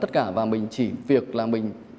tất cả và mình chỉ việc là mình